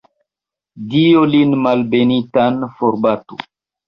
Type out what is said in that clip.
Dio lin malbenitan forbatu!